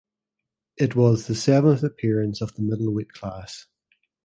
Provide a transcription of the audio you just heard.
It was the seventh appearance of the middleweight class.